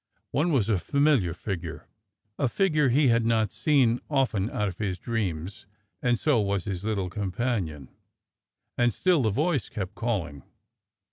One was a familiar figure, a figure he had not seen often out of his dreams, and so was his little companion, and still the voice kept calling.